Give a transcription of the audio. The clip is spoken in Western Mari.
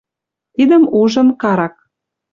Тидӹм ужын, Карак.